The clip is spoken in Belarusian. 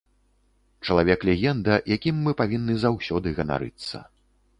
Чалавек-легенда, якім мы павінны заўсёды ганарыцца.